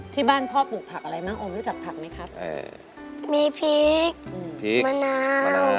ที่บ้านพ่อปลูกผักอะไรม้างโอมรู้จักผักไหมครับ